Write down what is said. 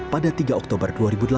pada tiga oktober dua ribu delapan belas